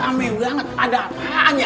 rame banget ada apaannya